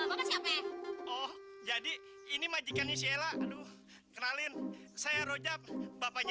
pak mel nyak nyak jangan tinggalin anak bapaknya